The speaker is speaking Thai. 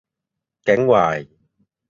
แก๊งวาย